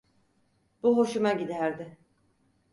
Bu hoşuma giderdi.